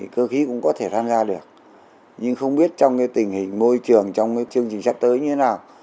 cơ khí cũng có thể tham gia được nhưng không biết trong tình hình môi trường trong chương trình sắp tới như thế nào